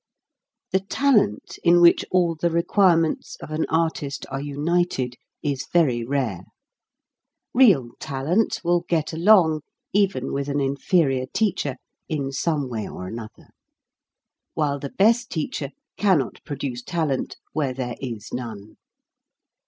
The talent in which all the requirements of an artist are united is very rare. Real tal ent will get along, even with an inferior teacher, in some way or another ; while the best teacher cannot produce talent where there is none.